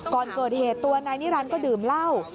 ก่อนเกิดเหตุตัวนายนิรันดิก็ดื่มเหล้า